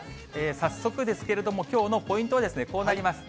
早速ですけれども、きょうのポイントはこうなります。